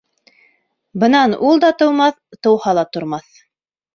Бынан ул да тыумаҫ, тыуһа ла тормаҫ.